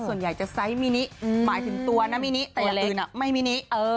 ส่วนใหญ่จะไซส์มินิหมายถึงตัวนะมินิแต่อย่างอื่นไม่มีนิ